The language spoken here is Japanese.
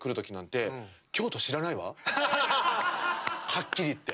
はっきり言って。